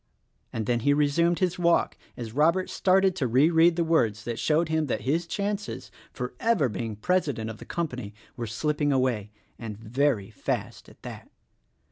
and then he resumed his walk as Robert started to re read the words that showed him that his chances for ever being president of the company were slip ping away — and very fast at that.